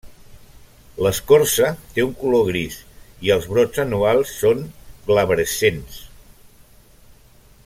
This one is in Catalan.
L'escorça té un color gris i els brots anuals són glabrescents.